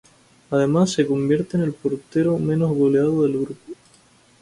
Además, se convierte en el portero menos goleado del grupo.